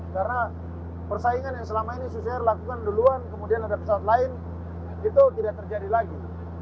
karena persaingan yang selama ini susah dilakukan duluan kemudian ada pesawat lain itu tidak terjadi lagi